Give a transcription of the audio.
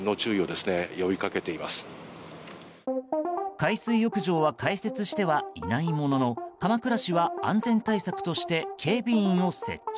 海水浴場は開設してはいないものの鎌倉市は安全対策として警備員を設置。